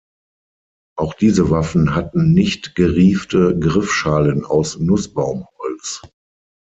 Auch diese Waffen hatten nicht geriefte Griffschalen aus Nussbaumholz.